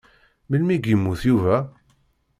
Melmi i yemmut Yuba?